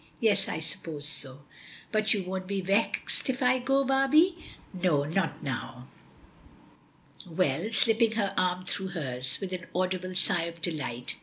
"Yes; I suppose so." "But you won't be vexed if I go, Barbie?" "No; not now." "Well," slipping her arm through hers, with an audible sigh of delight.